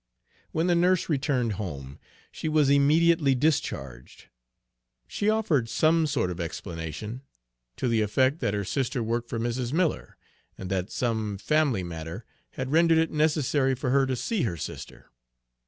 When the nurse returned home, she was immediately discharged. She offered some sort of explanation, to the effect that her sister worked for Mrs. Miller, and that some family matter had rendered it necessary for her to see her sister.